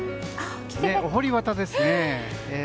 お堀端ですね。